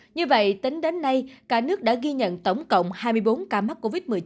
như vậy tính đến nay cả nước đã ghi nhận tổng cộng hai mươi bốn ca mắc covid một mươi chín